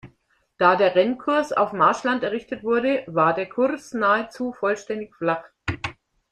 Da der Rennkurs auf Marschland errichtet wurde, war der Kurs nahezu vollständig flach.